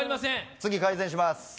次改善します。